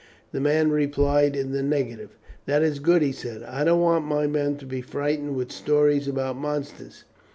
The man replied in the negative. "That is good," he said; "I don't want my men to be frightened with stories about monsters.